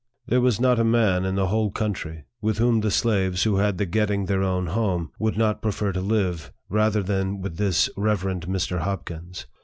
There was not a man in the whole county, with whom the slaves whc had the getting their own home, would not prefer to live, rather than with this Rev. Mr. Hopkins.